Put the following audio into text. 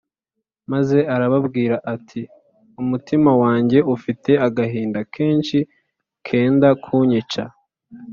Maze arababwira ati “Umutima wanjye ufite agahinda kenshi kenda kunyica